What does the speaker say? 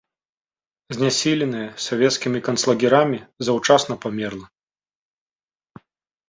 Знясіленая савецкімі канцлагерамі заўчасна памерла.